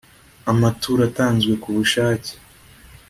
Amaturo atanzwe ku bushake